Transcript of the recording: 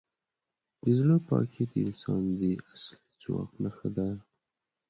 د زړه پاکي د انسان د اصلي ځواک نښه ده.